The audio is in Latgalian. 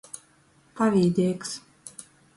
Pavīdeigs.